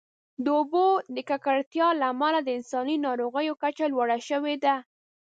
د اوبو د ککړتیا له امله د انساني ناروغیو کچه لوړه شوې ده.